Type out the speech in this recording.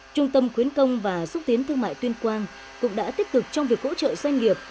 trung tâm khuyến công và xúc tiến thương mại tuyên quang cũng đã tích cực trong việc hỗ trợ doanh nghiệp